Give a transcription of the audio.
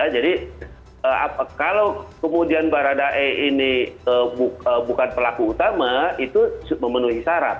jadi kalau kemudian baradae ini bukan pelaku utama itu memenuhi syarat